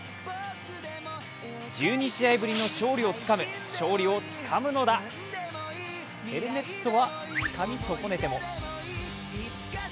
１２試合ぶりの勝利をつかむ、勝利をつかむのだ、ヘルメットはつかみ損ねても。